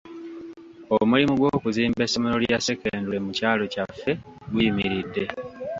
Omulimu gw'okuzimba essomero lya ssekendule mu kyalo kyaffe guyimiridde.